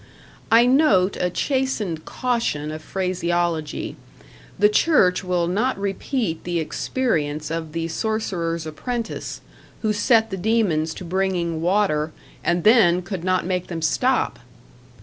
I note a chastened caution of phraseology; the church will not repeat the experience of the sorcerer's apprentice, who set the demons to bringing water, and then could not make them stop!